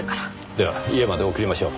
では家まで送りましょう。